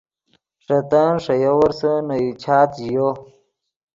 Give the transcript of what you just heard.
ݰے تن ݰے یوورسے نے یو چات ژیو۔